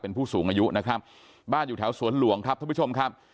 เป็นผู้สูงอายุนะครับบ้านอยู่แถวสวนหลวงครับท่านผู้ชมครับ